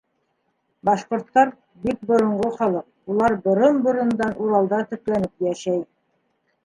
Башҡорттар — бик боронғо халыҡ, улар борон-борондан Уралда төпләнеп йәшәй.